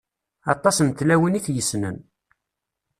Aṭas n tlawin i t-yessnen.